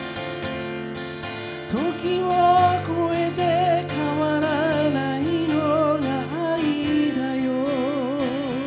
「時を越えて変わらないのが愛だよ」